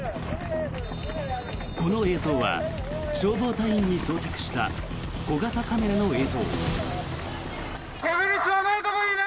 この映像は消防隊員に装着した小型カメラの映像。